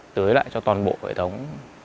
tưới lại cho toàn bộ hệ thống